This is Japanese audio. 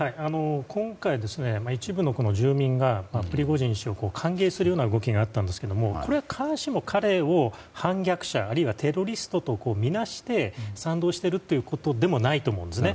今回、一部の区の住民がプリゴジン氏を歓迎するような動きがあったんですがこれは必ずしも彼を反逆者、あるいはテロリストとみなして賛同しているということでもないと思うんですね。